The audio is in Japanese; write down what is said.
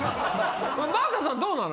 真麻さんどうなの？